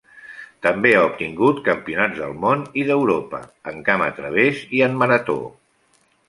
També ha obtingut campionats del món i d'Europa en Camp a través i en Marató.